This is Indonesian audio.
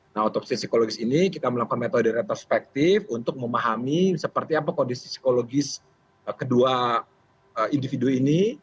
nah otopsi psikologis ini kita melakukan metode retrospektif untuk memahami seperti apa kondisi psikologis kedua individu ini